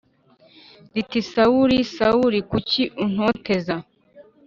riti Sawuli Sawuli kuki untoteza